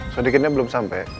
sodikinnya belum sampe